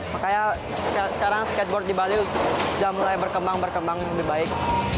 makanya sekarang skateboard di bali sudah mulai berkembang berkembang lebih baik